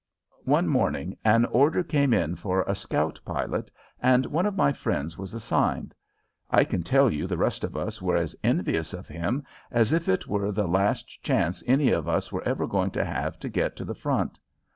One morning an order came in for a scout pilot, and one of my friends was assigned. I can tell you the rest of us were as envious of him as if it were the last chance any of us were ever going to have to get to the front.